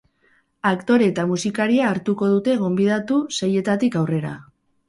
Aktore eta musikaria hartuko dute gonbidatu seietatik aurrera.